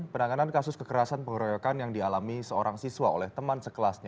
penanganan kasus kekerasan pengeroyokan yang dialami seorang siswa oleh teman sekelasnya